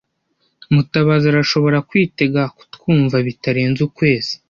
Mutabazi arashobora kwitega kutwumva bitarenze ukwezi.